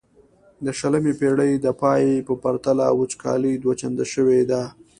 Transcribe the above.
د شلمې پیړۍ د پای په پرتله وچکالي دوه چنده شوې ده.